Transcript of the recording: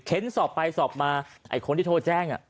เข็นศพไปศพมาคนที่โทรแจ้ง